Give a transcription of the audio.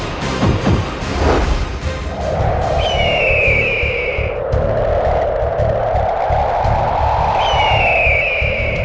saya akan menjaga kebenaran raden